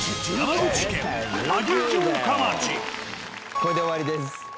これで終わりです。